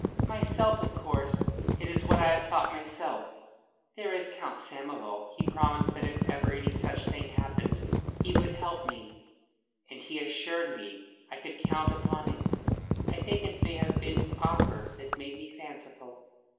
"Myself, of course. It is what I have thought myself. There is Count Samoval. He promised that if ever any such thing happened he would help me. And he assured me I could count upon him. I think it may have been his offer that made me fanciful."